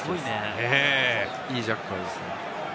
いいジャッカルですね。